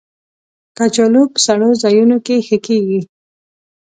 کچالو په سړو ځایونو کې ښه کېږي